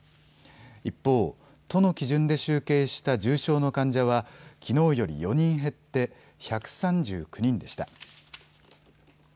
一方、都の基準で集計した重症の患者は、きのうより４人減って１３９人でした。